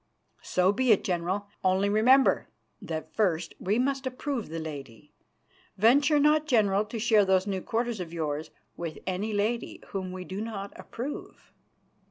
"So be it, General, only remember that first we must approve the lady. Venture not, General, to share those new quarters of yours with any lady whom we do not approve."